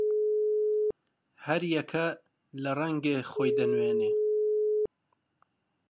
هەر یەکە لە ڕەنگێ خۆی دەنوێنێ